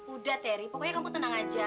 udah terry pokoknya kamu tenang aja